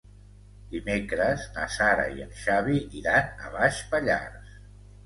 Dimecres na Sara i en Xavi iran a Baix Pallars.